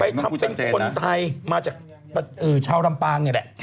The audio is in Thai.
ทำเป็นคนไทยมาจากชาวลำปางนี่แหละ